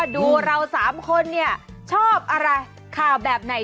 ดูเราสามคนเนี่ยชอบอะไรข่าวแบบไหน